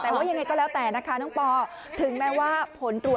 แต่ว่ายังไงก็แล้วแต่นะคะน้องปอถึงแม้ว่าผลตรวจ